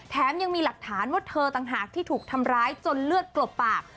ยังมีหลักฐานว่าเธอต่างหากที่ถูกทำร้ายจนเลือดกลบปาก